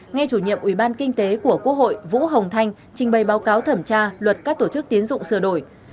nghe chủ nhiệm ủy ban kinh tế của quốc hội vũ hồng thanh trình bày báo cáo thẩm tra luật các tổ chức tiến dụng sửa đổi